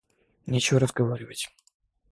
Нечего разговаривать!